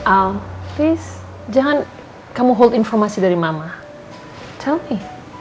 al please jangan kamu hold informasi dari mama tell me